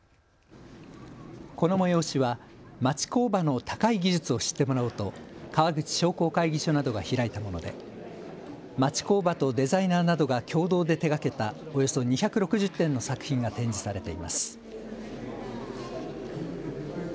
この催しは町工場の高い技術を知ってもらおうと川口商工会議所などが開いたもので町工場とデザイナーなどが共同で手がけたおよそ２６０点の作品が展示されています。